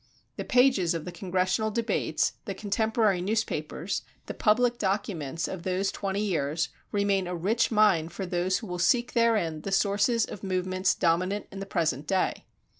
The pages of the Congressional debates, the contemporary newspapers, the public documents of those twenty years, remain a rich mine for those who will seek therein the sources of movements dominant in the present day.